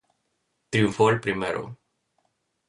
Triunfó el primero.